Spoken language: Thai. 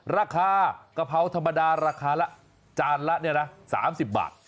ราคากะเพราธรรมดาราคาละจานละเนี่ยนะ๓๐บาท